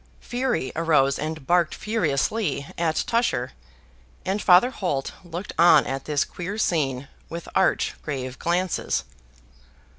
Fury arose and barked furiously at Tusher; and Father Holt looked on at this queer scene, with arch, grave glances.